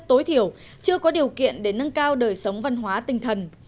tối thiểu chưa có điều kiện để nâng cao đời sống văn hóa tinh thần